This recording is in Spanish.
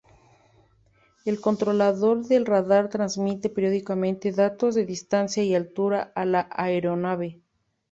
El controlador del radar transmite periódicamente datos de distancia y altura a la aeronave.